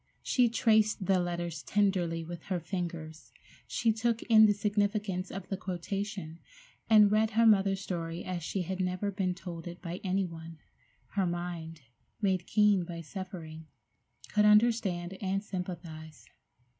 She traced the letters tenderly with her fingers, she took in the significance of the quotation, and read her mother's story as she had never been told it by any one. Her mind, made keen by suffering, could understand and sympathize.